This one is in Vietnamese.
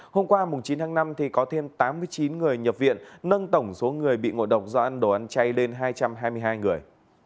hôm qua chín tháng năm có thêm tám mươi chín người nhập viện nâng tổng số người bị ngộ độc do ăn đồ ăn chay lên hai trăm hai mươi hai người